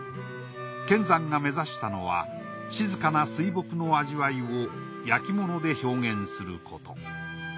乾山が目指したのは静かな水墨の味わいを焼物で表現すること。